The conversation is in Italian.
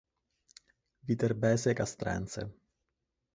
Viterbese Castrense.